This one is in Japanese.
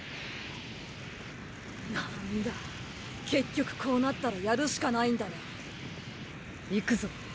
なぁんだ結局こうなったらやるしかないんだね。いくぞ。